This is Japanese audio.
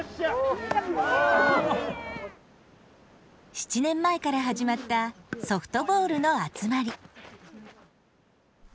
７年前から始まったソフトボールの集まり。